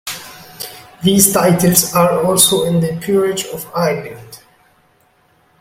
These titles are also in the Peerage of Ireland.